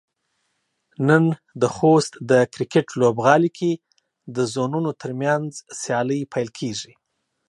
نن د خوست د کرکټ لوبغالي کې د زونونو ترمنځ سيالۍ پيل کيږي.